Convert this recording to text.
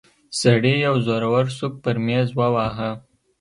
سړي يو زورور سوک پر ميز وواهه.